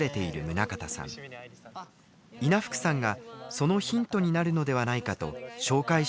稲福さんがそのヒントになるのではないかと紹介してくれた人がいます。